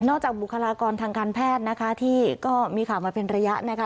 จากบุคลากรทางการแพทย์นะคะที่ก็มีข่าวมาเป็นระยะนะคะ